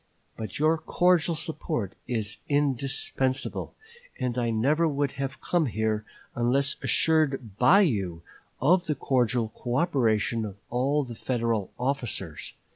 But your cordial support is indispensable, and I never would have come here, unless assured by you of the cordial coöperation of all the Federal officers....